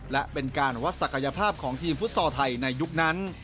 และเป็นการวัดศักยภาพของทีมฟุตซอลไทยในยุคนั้น